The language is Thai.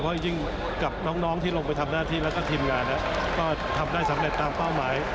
เพราะยิ่งกับน้องที่ลงไปทำหน้าที่แล้วก็ทีมงานก็ทำได้สำเร็จตามเป้าหมาย